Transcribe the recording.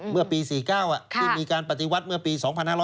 เมื่อปี๔๙ที่มีการปฏิวัติเมื่อปี๒๕๖๐